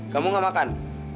kamu gak makan